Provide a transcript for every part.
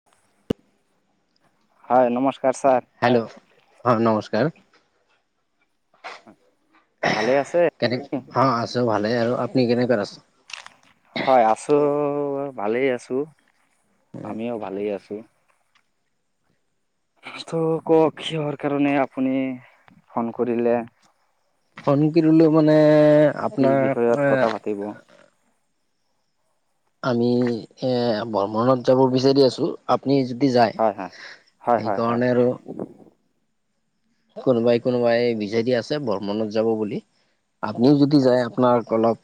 [inaudible] হয়, নমস্কাৰ sir. Hello হয়, নমস্কাৰ। ভালে আছে? কেনেকে হয় আছে ভালেই। আৰু আপুনি কেনেকে আছে? হয় আছো ভালেই আছো আমিও ভালেই আছো। [unintelligible] কওক কিহৰ কাৰণে আপুনি ফোন কৰিলে ফোনক কিৰিলো মানে আপোনা [unintelligible] দিব। আমি এই ভ্ৰমণত যাব বিচাৰি আছোঁ। আপুনি যদি যায় হয় হয়। হয় হয় হয় সেইকাৰণে আৰু কোনোবাই কোনোবাই বিচাৰি আছে ভ্ৰমনত যাব বুলি। আপুনিও যদি যায় আপোনাক অলপ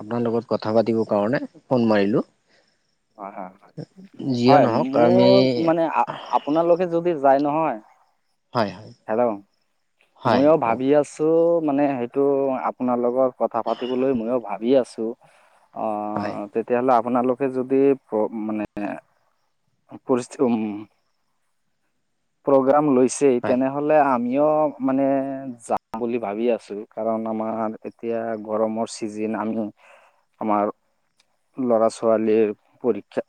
আপোনাৰ লগত কথা পাতিবৰ কাৰণে ফোন মাৰিলোঁ। হয় হয় যিয় হয় নহওঁক আমি মোৰ মানে আ- আপোনালোকে যদি যায় নহয় হয়, হয়। হেল্ল'? হয় ময়ো কওক ভাবি আছোঁ! সেইটো মানে, সেইটো আপোনাৰ লগত কথা পাতিবলৈ, মইয়ো ভাবি আছোঁ! হয় অ'! তেতিয়াহ'লে, আপোনালোকে যদি, মানে [unintelligible] প্ৰগ্ৰাম লৈছে। হয় তেনেহ'লে আমিও মানে, যাম বুলি ভাবি আছোঁ! কাৰণ, আমাৰ, এতিয়া গৰমত চিজিন, আমি আমাৰ ল'ৰা -ছোৱালীৰ পৰীক্ষা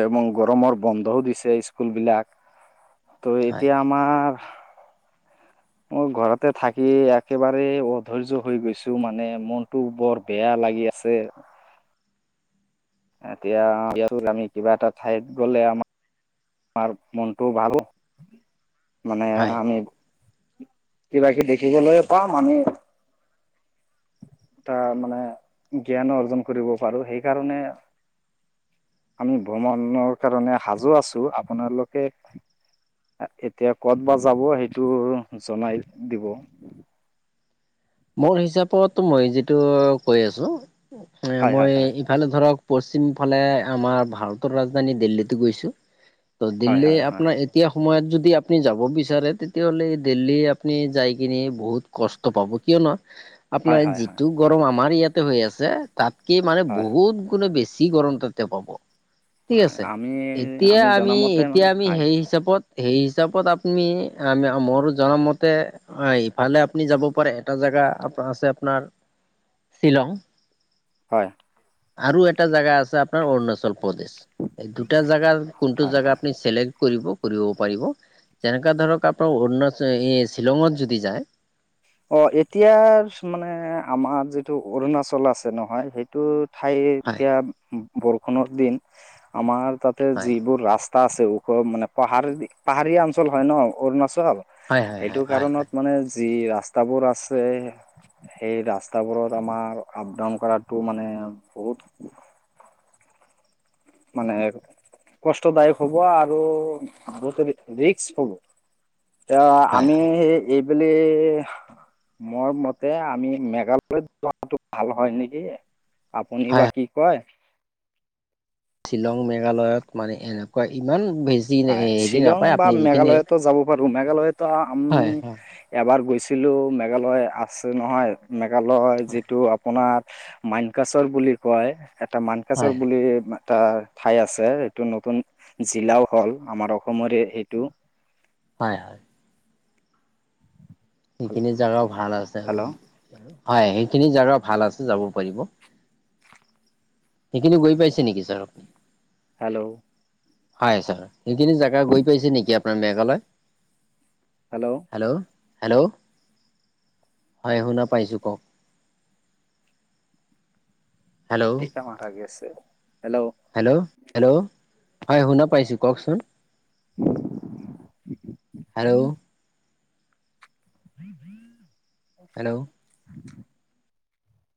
এ, মোৰ গৰমৰ বন্ধও দিছে, স্কুল বিলাক। ত' হয় এতিয়া, আমাৰ মই ঘৰতে থাকি, একেবাৰে অধৈৰ্য হৈ গৈছোঁ! মানে, মনটো বৰ বেয়া লাগি আছে! এতিয়া, এতিয়াতো আমি, কিবা এটা ঠাইত গ'লে, আমাৰ আমাৰ মনটো ভাল! মানে, হয় আমি কিবা-কিবি দেখিবলৈয়ো পাম আমি। এটা মানে, জ্ঞানো অৰ্জন কৰিব পাৰোঁ। সেইকাৰণে, আমি ভ্ৰমণৰ কাৰণে সাজু আছোঁ আপোনালোকে এতিয়া ক'ত বা যাব সেইটো জনাই দিব। মোৰ হিচাপত মই যিটো কৈ আছোঁ এ হয় হয় মই হয় [unintelligible] ফালে ধৰক পশ্চিম ফালে আমাৰ ভাৰতৰ ৰাজধানী দিল্লীতো গৈছোঁ। ত হয় দিল্লী হয় হয় আপোনাৰ এতিয়া সময়ত যদি আপুনি যাব বিচাৰে তেতিয়াহ'লে দিল্লী আপুনি যাই কিনি বহুত কষ্ট পাব। কিয়নো আপোনাৰ হয় হয় হয় যিটো গৰম আমাৰ ইয়াতে হৈ আছে তাতকে মানে হয় বহুত গুণে বেছি গৰম তাতে পাব। ঠিক হয় আছে, আমি এতিয়া আমি জনামতে মানে এতিয়া আমি হয় হেৰি হিচাপত সেই হিচাপত আপুনি আমি মোৰো জনামতে অ', ইফালে আপুনি যাব পাৰে এটা জেগা আপ আছে আপোনাৰ শ্বিলং হয়। আৰু এটা জেগা আছে আপোনাৰ অৰুণাচল প্ৰদেশ এই দুটা জাগাৰ কোনটো হয় জেগা হয় আপনি চিলেক্ট কৰিব কৰিব পাৰিব যেনেকুৱা ধৰক আপোনাৰ অৰুণাচল এই শ্বিলঙত যদি যায় অ', এতিয়াৰ মানে আমাৰ যিটো অৰুণাচল আছে নহয় সেইটোত ঠাই হয় এতিয়া বৰষুণৰ দিন আমাৰ তাতে হয় যিবোৰ ৰাস্তা টা আছে ওখ মানে পাহাৰ পাহাৰীয়া অঞ্চল হয় ন অৰুণাচল হয় হয় সেইটো হয় হয় কাৰণত হয় মানে যি ৰাস্তা ৰাস্তাবোৰ আছে সেই ৰাস্তাবোৰত আমাৰ আপ ডাউন কৰাতটো মানে বহুত মানে কষ্টদায়ক হ'ব আৰু বতে ৰিস্ক হ'ব। এ হয় আমি হয় এইবেলি মোৰ মতে আমি মেঘালয়ত যোৱাটো ভাল হয় নেকি। আপুনি হয় বা কি কয়? শ্বিলং মেঘালয়ত মানে এনেকুৱা ইমান ভেজ হয় শ্বিলং বা মেঘালয়তো যাব পাৰো মেঘালয়তো হয় আমি হয় এবাৰ গৈছিলোঁ মেঘালয় আছো নহয় মেঘালয় হয় যিটো আপোনাৰ মানকাচৰ বুলি কয় এটা মান ৰ হয় বুলি এটা ঠাই আছে এইটো নতুন জিলাও ফল আমাৰ অসমৰে এইটো হয় হয় সেইখিনি জগাও ভাল আছে হয় হেল্ল' সেইখিনি জাগগাও ভাল আছে যাব পাৰিব শিকিলি গৈ পাইছে নেকি ছাৰ আপনি হেল্ল' হয়াই আ ছাৰ সেইখিনি জেগা গৈ পাইিছে নেকি আপোনাৰ মেঘালয় হেল্ল' হেল্ল' হেল্ল' হয় শুনা পাইছোঁ কওক হেল্ল' িকা মাৰ গি আছে হেল্ল' হেল্ল' হেল্ল' হয় শুনা পাইছো কওকচোন হেল্ল' ব বেই হেল্ল'